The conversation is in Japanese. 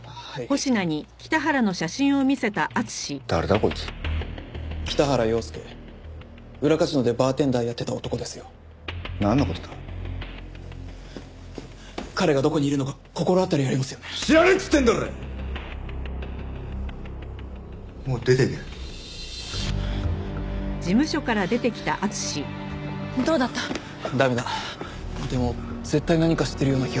でも絶対何か知ってるような気がする。